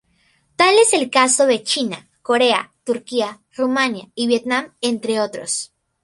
Tal es el caso de China, Corea, Turquía, Rumania y Vietnam entre otros.